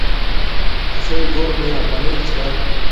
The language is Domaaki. اݽی گھور مے اپناݵ چھا